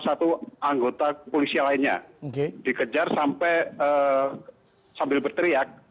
setelah itu anggota kepolisian lainnya dikejar sampai sambil berteriak